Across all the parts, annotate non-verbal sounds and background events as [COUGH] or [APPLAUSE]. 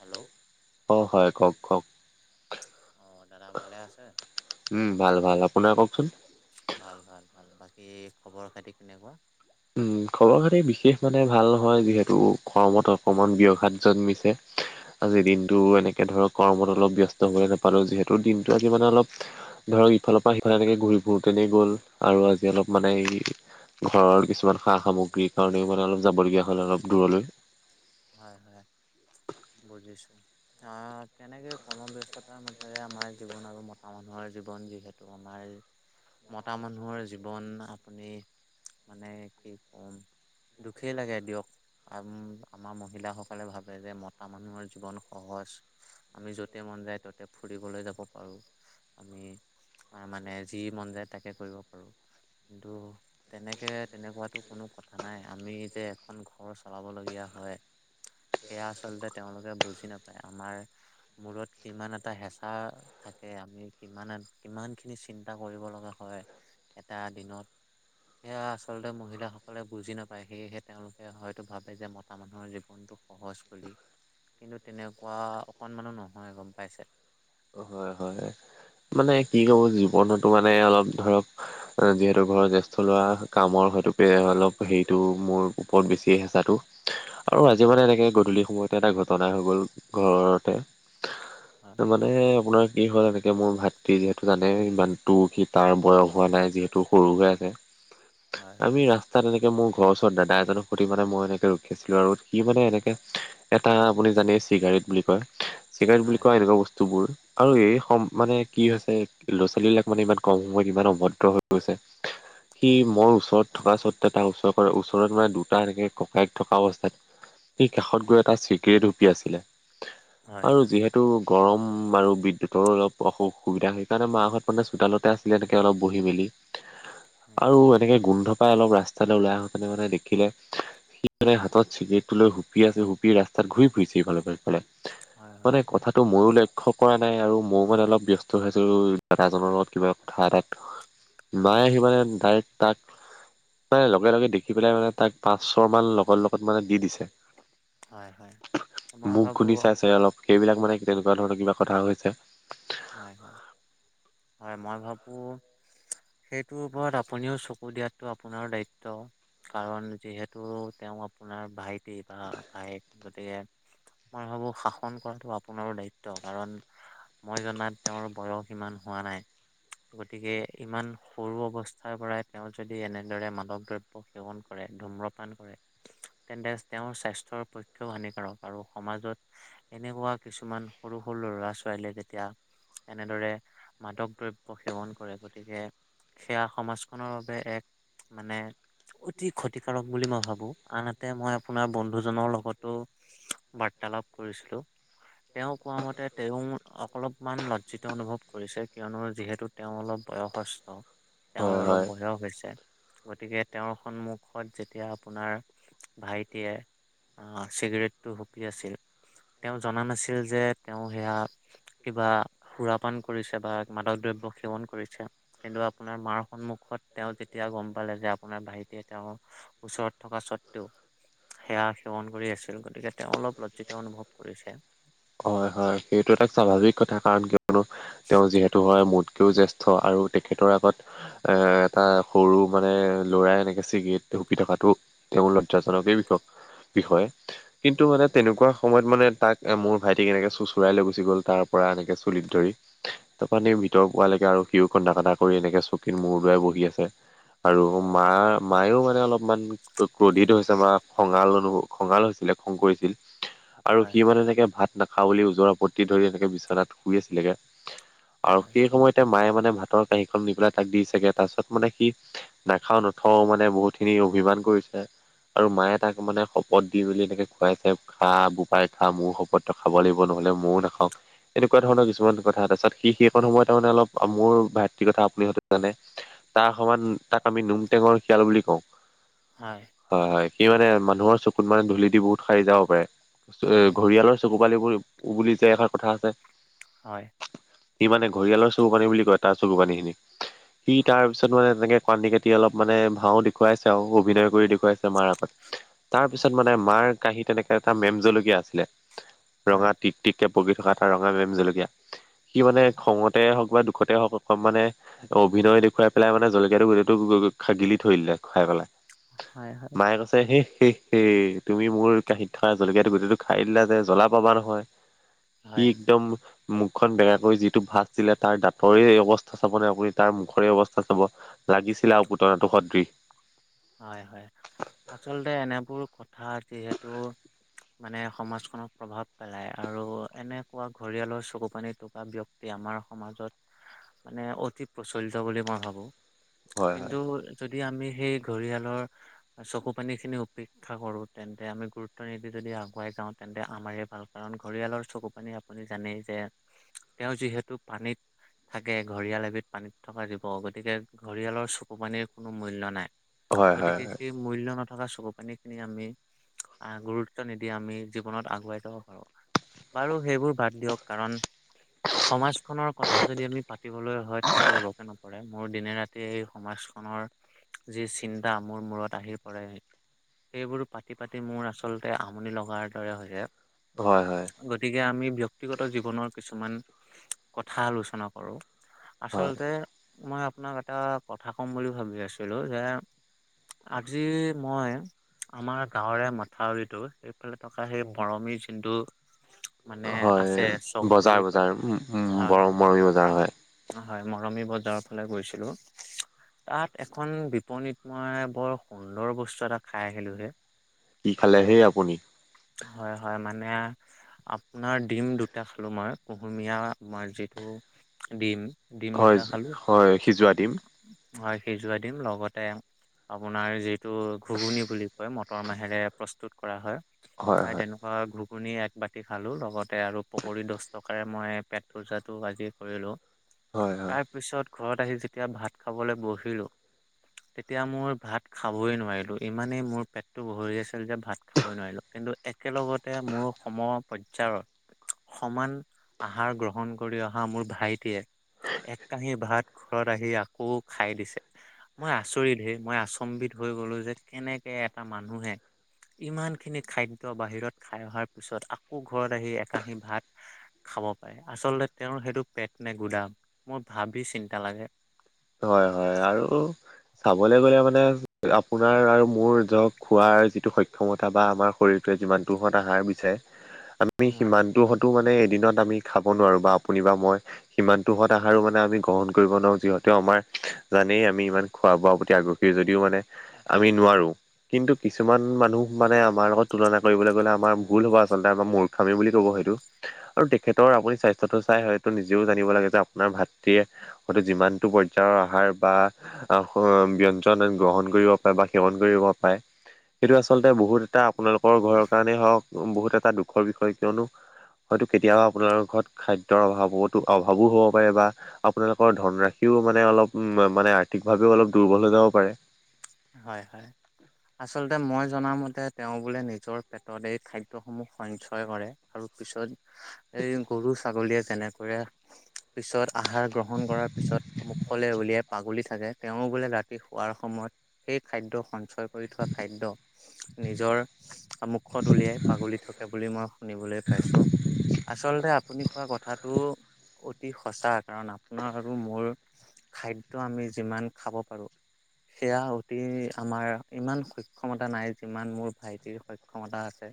Hello. অ' হয় কওক কওক। অ' দাদা ভালে আছে? উম ভাল ভাল আপোনাৰ কওকচোন। ভাল ভাল ভাল, বাকী খবৰ খাতি কেনেকুৱা? খবৰ খাতি বিশেষ মানে ভাল নহয় যিহেতু কৰ্মত অকমান ব্যয়ঘাত জন্মিছে। আজি দিনটো এনেকে ধৰক কৰ্মত অলপ ব্যস্ত হৈ নাপালো যিহেতু দিনটো আজি মানে অলপ ধৰক ইফালৰ পৰা সিফালে এনেকে ঘূৰি ফূৰোঁতেনেই গ'ল আৰু আজি অলপ মানে এই ঘৰৰ কিছুমান সা সামগ্ৰীৰ কাৰণেও মানে অলপ যাবলগীয়া হ'ল অলপ দূৰলৈ। হয় হয়, বুজিছোঁ। অ' কেনেকে কৰ্মব্যস্ততাৰ মাজৰে আমাৰ জীৱন আৰু মতা মানুহৰ জীৱন যিহেতু টো আমাৰ মতা মানুহৰ জীৱন আপুনি মানে কি কম দুখেই লাগে দিয়ক আম আমাৰ মহিলাসকলে ভাবে যে মতা মানুহৰ জীৱন সহজ। আমি যতে মন যায় ততে ফুৰিবলৈ যাব পাৰো। আমি মানে যি মন যায় তাকে কৰিব পাৰো কিন্তু তেনেকে তেনেকুৱাতো কোনো কথা নাই আমি যে এখন ঘৰ চলাব লগীয়া হয়, সেয়া আচলতে তেওঁলোকে বুজি নাপায় আমাৰ মূৰত কিমান এটা হেঁচা থাকে আমি কিমান কিমানখিনি চিন্তা কৰিব লগা হয় এটা দিনত সেয়া আচলতে মহিলাসকলে বুজি নাপায় সেয়েহে তেওঁলোকে হয়তো ভাবে যে ম মতা মানুহৰ জীৱনটো সহজ বুলি, কিন্তু তেনেকুৱা অকণমানো নহয় গম পাইছে। অ' হয় হয়। মানে কি ক'ব জীৱনতো মানে অলপ ধৰক যিহেতু ঘৰৰ জ্যেষ্ঠ ল'ৰা কামৰ হয়তো অলপ হেৰিতটো মোৰ ওপৰত বেছিয়ে হেঁচাটো। আৰু আজি হয় মানে এনেকে গধূলি সময়তে এটা ঘটনা হৈ গ'ল ঘৰতে, হয় তাৰ মানে মানে আপোনাৰ কি হ'ল এনেকে এতিয়া মোৰ ভাতৃ যিহেতু জানে ইমান তোৰ সি তাৰ বয়স হোৱা নাই যিহেতু সৰু হৈ আছে হয় আমি হয় ৰাছ তাত এনেকে মোৰ ঘৰৰ ওচৰত দাদা এজনক সুধি মানে মই এনেকে ৰখিছিলোঁ আৰু সি মানে এনেকে এটা আপুনি জানে চিগাৰেট বুলি কয়, চিগাৰেট বুলি হয় কোৱা এনেকুৱা বস্তুবোৰ আৰু এই সম মানে কি হৈছে ল'ৰা ছোৱালীবিলাক মানে ইমান কম সময়ত ইমান অভদ্ৰ হৈ গৈছে। সি হয় মোৰ ওচৰত থকা সত্তে তাৰ ওচৰ-ওচৰত মানে দুটা এনেকে ককায়েক থকা অৱস্থাত সেই কাষত গৈ এটা চিগৰেট হুপি আছিলে। হয় আৰু যিহেতু গৰম আৰু বিদ্যুতৰোঁ অলপ অসু সুবিধা সেইকাৰণে মাহত মানে চোতালতে আছিলে এনেকে অলপ বহি মেলি। হয় আৰু এনেকে গোন্ধ পাই অলপ ৰাস্তালৈ ওলাই আহো তেনে মানে দেখিলে সি মনে হাতত চিগৰেটটো লৈ সুপি আছে হুপি ৰাস্তাত ঘূৰি ফুৰিছে ইফালে সফালে। হয় মানে কথাটো ময়ো লক্ষ্য কৰা নাই আৰু মোৰ মানে অলপ ব্যস্ত হৈছো দাদাজনৰ লগত কিবা কথা এটাত, মাই আহি মানে ডাইৰেক্ট তাক মানে লগে লগে দেখি পেলাই মানে তাক পাঁচ চৰ মান লগৰ লগত মানে দি দিছে। হয় হয় হয় মই মুখ শুনি ভাবো চাইছে অলপ সেইবিলাক মানে তেনেকুৱা ধৰণৰ কিবা কথা হৈছে। হয় হয়, হয় মই ভাবো সেইটোৰ ওপৰত আপুনিও চকু দিয়াটো আপোনাৰো দায়িত্ব। কাৰণ যিহেতু তেওঁ আপোনাৰ ভাইটি বা ভায়েক। গতিকে মই ভাবো শাসন কৰাটো আপোনাৰো দায়িত্ব কাৰণ মই জনাত তেওঁৰ বয়স ইমান হোৱা নাই। গতিকে ইমান সৰু অৱস্থাৰ পৰাই তেওঁ যদি এনেদৰে মাদক দ্ৰব্য সেৱন কৰে, ধূৰ্মপান কৰে তেন্তে তেওঁৰ স্বাস্থ্যৰ পক্ষেও হানিকাৰক আৰু সমাজত এনেকুৱা কিছুমান সৰু সৰু ল'ৰা ছোৱালীয়ে যেতিয়া তিয়া, এনেদৰে মাদক দ্ৰব্য সেৱন কৰে গতিকে সেয়া সমাজখনৰ বাবে এক মানে অতি ক্ষতিকাৰক বুলি মই ভাবোঁ, আনহাতে মই আপোনাৰ বন্ধুজনৰ লগতো বাৰ্তালাপ কৰিছিলো, তেওঁ কোৱা মতে তেওঁ অলপমান লজ্জিত অনুভৱ কৰিছে, কিয়নো যিহেতু তেওঁ অলপ বয়সস্থ। তেওঁৰ হয় অলপ হয় বয়স হৈছে, গতিকে তেওঁৰ সন্মুখত যেতিয়া আপোনাৰ ভাইটিয়ে চিগাৰেটটো হুপি আছিল তেওঁ জনা নাছিল যে তেওঁ সেয়া কিবা সুৰাপান কৰিছে বা মাদক দ্ৰব্য সেৱন কৰিছে। কিন্তু আপোনাৰ মাৰ সন্মুখত তেওঁ যেতিয়া গম পালে যে, আপোনাৰ ভাইটিয়ে তেওঁৰ ওচৰত থকা স্বত্ত্বেও সেয়া সেৱন কৰি আছিল, গতিকে তেওঁ অলপ লজ্জিত অনুভৱ কৰিছে। হয় হয় সেইটো এটা স্বাভাৱিক কথা কাৰণ কিয়নো তেওঁ যিহেতু হয় মোতকেও জেষ্ঠ থ আৰু তেখেতৰ আগত এ এটা সৰু মানে লৰাই এনেকে ছিগৰেট শুপি থকাটো এইবোৰ লজ্জাজনক [UNINTELLIGIBLE] বিষয়, কিন্তু মানে তেনেকুৱা সময়ত মানে তাক মোৰ ভাইটি ঠিক এনেকে চোঁচৰাই লৈ গুচি গল তাৰ পৰা এনেকৈ চুলিত ধৰি তাপা নি ভিতৰ পোৱালৈকে আৰু সিও কন্দা কতা কৰি এনেকে চকীত মূৰ দুৱাই বহি আছে। আৰু মা-মায়েও মানে অলপমান ক্ৰোধিত হৈছে বা খঙাল অনুভৱ খঙাল হৈছিলে খং কৰিছিল, আৰু হয় সি হয় মানে এনেকে ভাত নাখাওঁ বুলি ওজৰ আপত্তি ধৰি এনেকে বিচনাত শুই আছিলেগৈ, আৰু হয় সেই সময়ত তে মায়ে মানে ভাতৰ কাঁহীখন নি পেলাই তাক দিছেগে তাৰপিছত মানে সি নাখাওঁ নথও মানে বহুতখিনি অভিমান কৰিছে। আৰু মায়ে তাক মানে শপত দি বুলি এনেকে খুৱাইছে, খা বোপাই খা মোৰো শপত তই খাব লাগিব নহ'লে ময়ো নাখাওঁ। এনেকুৱা ধৰণৰ কিছুমান কথা তাৰপিছত সি সেইকণ সময়ত তাৰ মানে অলপ মোৰ ভাতৃ কথা আপুনি হয়তো জানে, তাৰ সমান তাক আমি নুম টেঙৰ শিয়াল বুলি কওঁ। হয়। হয় হয় সি মানে মানুহৰ চকুত মানে ধূলি দি বহুত সাৰি যাব পাৰে। হয় ঘঁৰিয়ালৰ চ চকুপানিবোৰ বুলি যে এষাৰ কথা আছে হয়। সি মানে ঘৰিয়াঁলৰ চকু পানী বুলি কয়, তাৰ চকু পানীখিনি সি তাৰপিছত মানে তেনেকে কান্দি কাতি অলপ মানে ভাও দেখুৱাইছে আৰু অভিনয় কৰি দেখুৱাইছে মাৰ আগত। তাৰপিছত মানে মাৰ কাঁহীত তেনেকে এটা মেম জলকীয়া আছিলে হয় ৰঙা টিক টিককে পকি থকা এটা ৰঙা মেম জলকীয়া সি মানে খঙতে হওঁক বা দুখতে হওঁক অম মানে অভিনয় দেখুৱাই পেলাই মানে জলকীয়াটো গোটেইটো গ-গ-গিলি থৈ দিলে খাই পেলাই। হয় মায়ে কৈছে হে-হে-হেই তুমি মোৰ কাঁহিত থকা জলকীয়াটো গুটেইটো খাই দিলা যে জ্বলা পাবা নহয়। সি হয় হয় একদম মুখখন বেকা কৰি যিটো ভাঁজ দিলে। তাৰ দাঁতৰে অৱস্থা চাব নে আপুনি তাৰ মুখৰে অৱস্থা চাব। লাগিছিলে আৰু পুতনাটো সদৃশ্য।। হয় হয়। আচলতে এনেবোৰ কথা যিহেতু, মানে সমাজখনক প্ৰভাৱ পেলাই। আৰু এনেকুৱা ঘৰিয়ালৰ চকু পানী টকা ব্যক্তি, এ আমাৰ সমাজত মানে অতি প্ৰচলিত বুলি মই ভাবোঁ। হয় হয় কিন্তু, যদি আমি সেই ঘঁৰিয়ালৰ, চকু পানী খিনি উপেক্ষা কৰো। তেন্তে আমি গুৰুত্ব নিদি যদি আগুৱাই যাওঁ। তেন্তে আমাৰ ভাল কাৰণ ঘৰিয়ালৰ চকু পানী আপুনি জানেই যে, তেওঁ যিহেতু পানীত থাকে, ঘৰিয়াল এবিধ পানীত থকা জীৱ, গতিকে ঘৰিয়ালৰ চকু পানীৰ কোনো মূল্য নাই। হয় হয় গতিকে, সেই মূল্য নথকা চকু পানী খিনি আমি অহ, গুৰুত্ব নিদি আমি জীৱনত আগুৱাই যাব পাৰো। বাৰু সেইবোৰ বাদ দিয়ক কাৰণ সমাজখনৰ কথা যদি আমি পাতিবলৈ হয় তেতিয়া ওলকে নপৰে, মোৰ দিনে ৰাতিয়েই এই সমাজখনৰ যি চিন্তা মোৰ মূৰত আহি পৰে। সেইবোৰ পাতি পাতি মোৰ আচলতে আমনি লগাৰ দৰে হৈছে। হয় হয়। গতিকে আমি ব্যক্তিগত জীৱনৰ কিছুমান কথা আলোচনা কৰো। হয় আচলতে, মই আপোনাক এটা কথা কম বুলি ভাবি আছিলো যে আজি মই আমাৰ গাঁৱৰে মথাউৰিটো সেইফালে থকা সেই মৰমি যোনটো মানে হয় হয় আছে চব বজাৰ বুলি কয়। বজাৰ বৰ হয় হয়। মৰমী বজাৰ হয়। হয়, মৰমী বজাৰৰ ফালে গৈছিলো, তাত এখন বিপনীত মই বৰ সুন্দৰ বস্তু এটা খাই আহিলোঁ হে। কি খালে হেই আপুনি? হয় হয়, মানে আপোনাৰ ডিম দুটা খালো মই কুহুমীয়া আমাৰ যিটো ডিম। ডিম হয় দুটা খালো। হয় সিজোৱা দিম সিজুৱাই দিম, লগতে আপোনাৰ যিটো ঘুগুনি বুলি কয় মট টৰ মাহেৰে প্ৰস্তুত কৰা হয় হয়, [UNINTELLIGIBLE] বা ঘুগুনি এক বাতি খালোঁ, লগতে আৰু পকৰি দহ টকাৰে মই পেট পূজাটো আজি কৰিলোঁ। হয় হয়। পিছত ঘৰত আহি যেতিয়া ভাত খাবলৈ বহিলো। তেতিয়া মোৰ ভাত খাবই নোৱাৰিলো, ইমানেই মোৰ পেটতটো ভৰি আছিল যে ভাত খাবই নোৱাৰিলো। কিন্তু একেলগতে মোৰ সমপৰ্যায়ত সমান আহাৰ গ্ৰহণ কৰি অহা মোৰ ভাইটিয়ে এক কাঁহী ভাত ঘৰত আহি আকৌ খাই দিছে, মই আচৰিত হেই মই আচৰিত। [UNINTELLIGIBLE] হৈ গলো যে কেনেকে এটা মানুহে ইমান খিনি খাদ্য বাহিৰত খাই অহাৰ পিছত আকৌ ঘৰত আহি একাহী ভাত খাব পাৰে। আচলতে, তেওঁৰ সেইটো পেট নে গুদাম মোৰ ভাবি চিন্তা লাগে। হয় হয় আৰু চাবলৈ গ'লে মানে আপোনাৰ আৰু মোৰ জক খোৱাৰ যিটো সক্ষমতা বা আমাৰ শৰীৰটোৱে যিমানটোহঁত আহাৰ বিচাৰে, আমি সিমানটো হতো মানে এদিনত আমি খাব নোৱাৰো বা আপুনি বা মই সিমানটো হদ আহাৰো মানে আমি গ্ৰহণ কৰিব নোৱাৰো। [UNINTELLIGIBLE] আমাৰ জানেই আমি ইমান খোৱা বোৱাৰ প্ৰতি আগ্ৰহী যদিও মানে, আমি নোৱাৰো। কিন্তু কিছুমান মানুহ মানে আমাৰ লগত তুলনা কৰিবলৈ গ'লে আমাৰ ভুল হ'ব আচলতে, আমাৰ মূৰ্খামি বুলি ক'ব সেইটো। আৰু তেখেতৰ আপুনি স্বাস্থ্যটো চাই হয়তো নিজেও জানিব লাগে যে, আপোনাৰ ভাতৃয়ে হয়তো যিমান টো পৰ্যায়ৰ আহাৰ বা আহ ব্যঞ্জন গ্ৰহণ কৰিব পাৰে বা সেৱন কৰিব পাৰে। সেইটো আচলতে বহুত এটা আপোনালোকৰ ঘৰৰ কাৰণেই হওক বহুত এটা দুখৰ বিষয়, কিয়নো হয়তো কেতিয়াবা আপোনাৰ ঘৰত খাদ্যৰ অভাৱতো অভাৱো হ'ব পাৰে বা আপোনালোকৰ ধনৰাশিও মানে অলপ মানে আৰ্থিকভাৱেও অলপ দুৰ্বল হৈ যাব পাৰে। হয় হয়। আচলতে, মই জনামতে তেওঁ বোলে নিজৰ পেটত এই খাদ্যসমূহ সঞ্চয় কৰে। তাৰ পিছত এই গৰু ছাগলীয়ে যেনেকৈ পিছত আহাৰ গ্ৰহণ কৰাৰ পিছত মুখলৈ উলিয়াই পাগুলী থাকে, তেওঁ বোলে ৰাতি শোৱাৰ সময়ত সেই খাদ্য সঞ্চয় কৰি থোৱা খাদ্য নিজৰ মুখত উলিয়াই পাগলী থাকে বুলি মই শুনিবলৈ পাইছো। আচলতে, আপুনি কোৱা কথাটো অতি সঁচা, কাৰণ আপোনাৰ আৰু মোৰ খাদ্য আমি যিমান খাব পাৰো, সেয়া প্ৰতি আমাৰ ইমান সক্ষমতা নাই, যিমান মোৰ ভাইটিৰ সক্ষমতা আছে।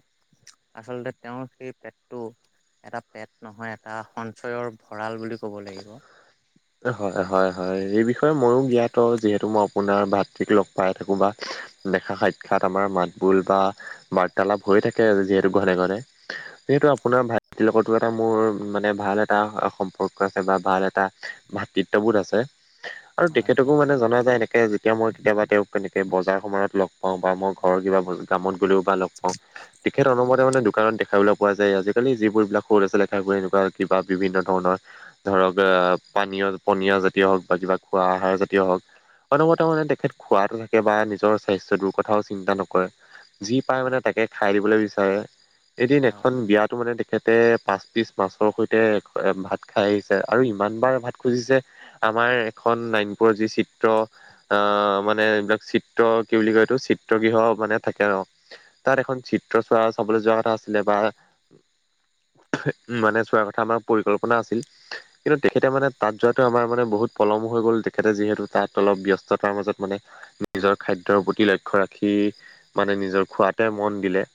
আচলতে, তেওঁৰ সেই পেটটো এটা পেট নহয়, এটা সঞ্চয়ৰ ভঁৰাল বুলি ক'ব লাগিব। হয়, হয়, হয়। সেই বিষয়ে ময়ো জ্ঞাত, যিহেতু মই আপোনাৰ ভাতৃক লগ পাই থাকোঁ। বা দেখা সাক্ষৎ আমাৰ মাতবোল বা বাৰ্তালাপ হৈ থাকে যিহেতু ঘনে ঘনে। যিহেতু, আপোনাৰ ভাতৃৰ লগতো এটা মোৰ মানে ভাল এটা সম্পৰ্ক আছে বা ভাল এটা ভাতৃত্ববোধ আছে আৰু হয় হয় তেখেতকো মানে জনা যায় এনেকে এতিয়া, মই কেতিয়াবা তেওঁক কেনেকে বজাৰ-সমাৰত লগ পাওঁ বা মই ঘৰৰ কিবা কামত গ'লেও বা লগ পাওঁ তেখেত অনবৰতে মানে দোকানত দেখাবলৈ পোৱা যায়। আজিকালি যিবোৰ বিলাক সৰু ল'ৰা ছোৱালীয়ে কাম কৰে, এনেকুৱা কিবা বিভিন্ন ধৰণৰ ধৰক, আহ পানীয়-পনীয়া জাতীয় হওঁক বা কিবা খোৱা আহাৰ জাতীয় হওঁক অনবৰতে মানে তেখেত খোৱাতে থাকে বা নিজৰ স্বাস্থ্যটোৰ কথাওঁ চিন্তা নকৰে। যি পাই মানে তাকে খাই দিবলৈ বিচাৰে। এদিন হয়। এখন বিয়াতো মানে তে তেখেতে পাঁচ পিচ মাছৰ সৈতে ভাত খাই আহিছে, আৰু ইমান বাৰ ভাত খুজিছে। আমাৰ এখন নাইনপুৰৰ যি চিত্ৰ আহ, মানে এইবিলাক চিত্ৰ ত' কি বুলি কয় এইটো চি চিত্ৰ গৃহ মানে থাকে ন, তাত এখন চিত্ৰ চোৱা চাবলৈ যোৱা কথা আছিলে বা [INAUDIBLE] মানে চোৱাৰ কথা আমাৰ পৰিকল্পনা আছিল। কিন্তু তেখেতে মানে তাত যোৱাটো আমাৰ মানে বহুত পলম হৈ গ'ল, তেখেতে যিহেতু তাত অলপ ব্যস্ততাৰ মাজত মানে নিজৰ খাদ্যৰ প্ৰতি লক্ষ্য ৰাখি, মানে নিজৰ খোৱাতে মন দিলে।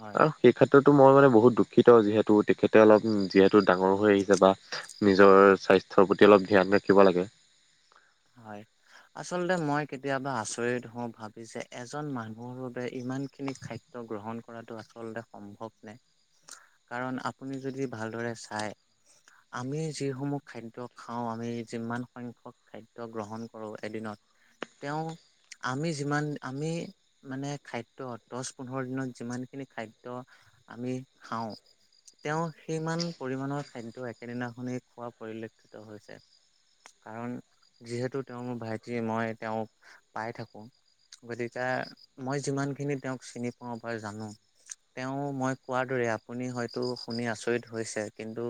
হয়, আৰু সেই ক্ষেত্ৰতো মই মানে বহুত দুখিত, যিহেতু তেখেতে অলপ উ যিহেতু ডাঙৰ হৈ আহিছে বা নিজৰ স্বাস্থ্যৰ প্ৰতি অলপ ধ্যান ৰাখিব লাগে। হয়। আচলতে মই কেতিয়াবা আচৰিত হওঁ ভাবি যে এজন মানুহৰ বাবে ইমানখিনি খা দ্য গ্ৰহণ কৰাটো আচলতে সম্ভৱ নে? কাৰণ, আপুনি যদি ভালদৰে চাই আমি যিসমূহ খাদ্য খাওঁ, আমি যিমান সংখ্যক খাদ্য গ্ৰহণ কৰো এদিনত, তেওঁ আমি যিমান আমি মানে খাদ্য দচ-পোন্ধৰ দিনত যিমানখিনি খাদ্য আমি খাওঁ তেওঁ সিমান পৰিমাণৰ খাদ্য একেদিনাখনেই খোৱা পৰিলক্ষিত হৈছে। কাৰণ, যিহেতু তেওঁ মোৰ ভাইটি মই তেওঁক পায়ে থাকোঁ। গতিকে, মই যিমানখিনি তেওঁক চিনি পাওঁ বা জানো তেওঁ মই কোৱাৰ দৰে আপুনি হয়তো শুনি আচৰিত হৈছে। কিন্তু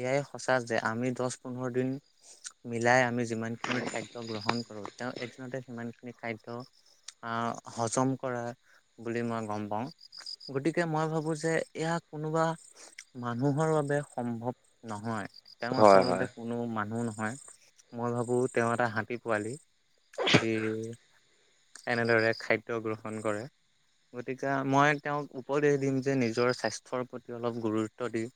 এয়াই, সঁচা যে আমি দচ-পোন্ধৰ দিন মিলাই আমি যিমানখিনি খাদ্য গ্ৰহণ কৰোঁ, তেওঁ এদিনতে সিমানখিনি খাদ্য আহ হজম কৰে বুলি মই গ'ম পাওঁ। গতিকে মই ভাবো যে এয়া কোনোবা মানুহৰ বাবে সম্ভৱ নহয়। তেওঁ হয় আচলতে হয় কোনো মানুহ নহয় মই ভাবো তেওঁ এটা হাতী পোৱালী। যি এনেদৰে খাদ্য গ্ৰহণ কৰে। গতিকে, মই তেওঁক উপদেশ দিম যে নিজৰ স্বাস্থ্যৰ প্ৰতি অলপ গুৰুত্ব দি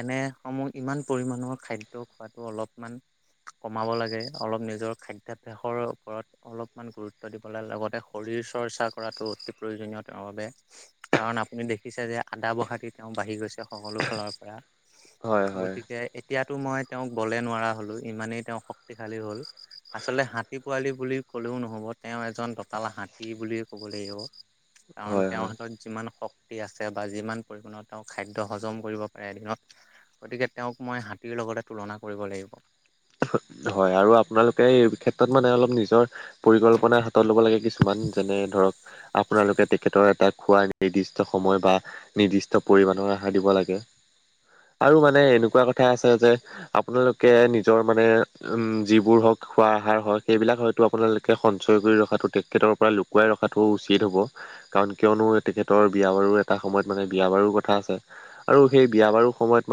এনে সমূহ ইমান পৰিমানৰ খাদ্য খোৱাতো অলপমান কমাব লাগে, অলপ নিজৰ খাদ্যাভ্যাসৰ ওপৰত অলপমান গুৰুত্ব দিব লাগে লগতে শৰীৰ চৰ্চা কৰাটো অতি প্ৰয়োজনীয় তেওঁৰ বাবে। কাৰণ, আপুনি দেখিছে যে আদা বঢ়াদি তেওঁ বাঢ়ি গৈছে সকলো ফালৰ পৰা। হয় হয়। গতিকে, এতিয়াতো মই তেওঁক বলে নোৱাৰা হ'লো ইমানেই তেওঁ শক্তিশালী হ'ল, আচলতে হাতী পোৱালি বুলি ক'লেও নহ'ব, তেওঁ এজন দঁতাল হাত তী বুলিয়ে ক'ব লাগিব। কাৰণ, হয় তেওঁৰ হয় হাতত যিমান শক্তি আছে বা যিমান পৰিমাণৰ তেওঁ খাদ্য হজম কৰিব পাৰে এদিনত। গতিকে তেওঁক মই হাতীৰ লগতে তুলনা কৰিব লাগিব। হয়, আৰু আপোনালোকে এই ক্ষেত্ৰত মানে অলপ নিজৰ পৰিকল্পনা হাতত ল'ব লাগে, কিছুমান যেনে ধৰক আপোনালোকে তেখেতৰ এটা খোৱা নিৰ্দিষ্ট সময় বা নিৰ্দিষ্ট পৰিমাণৰ আহাৰ দিব লাগে। আৰু মানে এনেকুৱা কথা আছে যে, আপোনালোকে নিজৰ মানে যিবোৰ হওক খোৱা আহাৰ হয়, সেইবিলাক হয়তো আপোনালোকে সঞ্চয় কৰি ৰখাটো তেখেতৰ পৰা লুপ [UNINTELLIGIBLE] ৰখাটো উচিত হ'ব। কাৰণ, কিয়নো তেখেতৰ বিয়া বাৰু এটা সময়ত মানে বিয়া বাৰুৰ কথা আছে। আৰু সেই বিয়া বাৰু সময়ত মানে